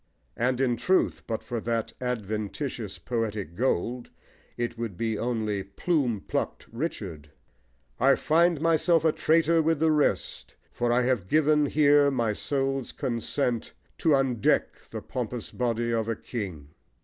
And in truth, but for that adventitious poetic gold, it would be only "plume plucked Richard." I find myself a traitor with the rest, For I have given here my soul's consent To undeck the pompous body of a king.